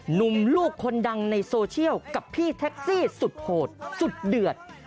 ลูกคนดังในโซเชียลกับพี่แท็กซี่สุดโหดสุดเดือด